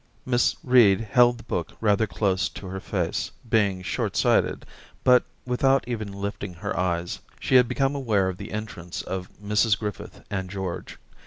... Miss Reed held the book rather close to her face, being shortsighted ; but, without even lifting her eyes, she had become aware of the entrance of Mrs Griffith and George.